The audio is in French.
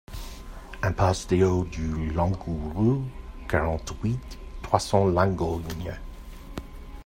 Impasse des Hauts du Langouyrou, quarante-huit, trois cents Langogne